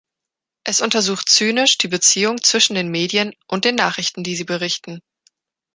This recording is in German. Es untersucht zynisch die Beziehung zwischen den Medien und den Nachrichten, die sie berichten.